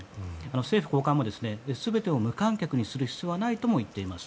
政府高官も、全てを無観客にする必要はないとも言っています。